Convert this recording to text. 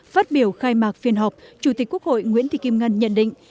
phát biểu khai mạc phiên họp chủ tịch quốc hội nguyễn thị kim ngân nhận định